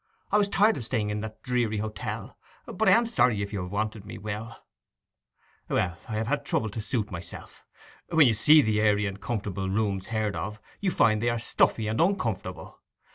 I was tired of staying in that dreary hotel. But I am sorry if you have wanted me, Will?' 'Well, I have had trouble to suit myself. When you see the airy and comfortable rooms heard of, you find they are stuffy and uncomfortable.